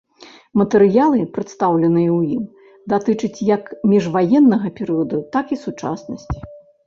Матэрыялы, прадстаўленыя ў ім, датычаць як міжваеннага перыяду, так і сучаснасці.